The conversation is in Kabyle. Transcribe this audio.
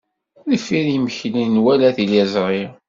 Deffir yimekli, nwala tiliẓri.